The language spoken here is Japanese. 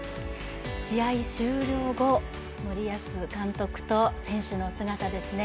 試合終了後、森保監督と選手の姿ですね。